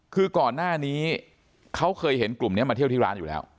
คือก่อนหน้านี้เขาเคยเห็นกลุ่มนี้มาเที่ยวที่ร้านอยู่แล้ว